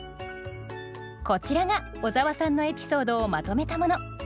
こちらが小沢さんのエピソードをまとめたもの。